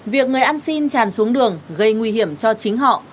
việc người ăn xin tràn xuống đường gây nguy hiểm cho chính họ